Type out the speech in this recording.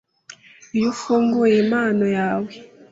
Iyo ufunguye impano yawe